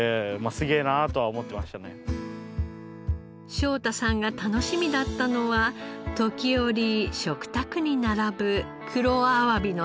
翔太さんが楽しみだったのは時折食卓に並ぶ黒あわびの刺身。